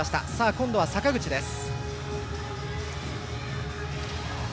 今度は坂口です。